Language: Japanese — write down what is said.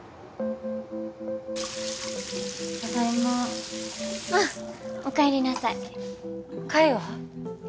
ただいまあっお帰りなさい海は？